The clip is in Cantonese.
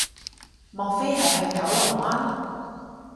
莫非係去九龍灣